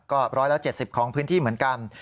ก็๑๗๐ของพื้นที่เหมือนกัน